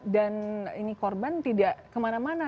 dan ini korban tidak kemana mana